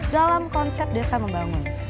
dalam konsep desa membangun